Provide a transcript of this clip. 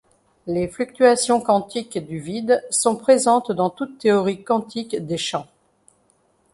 Les fluctuations quantiques du vide sont présentes dans toute théorie quantique des champs.